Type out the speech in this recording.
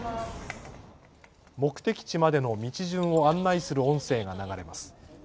目的地までの道順を案内する音声が流れます。